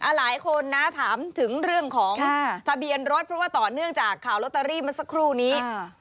หลายคนนะถามถึงเรื่องของทะเบียนรถเพราะว่าต่อเนื่องจากข่าวลอตเตอรี่มาสักครู่นี้